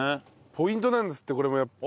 ポイントなんですってこれも。